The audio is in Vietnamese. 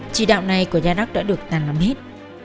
tri đạo này của gia đúc đã được tàn lầm hết